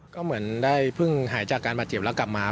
ก็เหมือนได้เพิ่งหายจากการบาดเจ็บแล้วกลับมา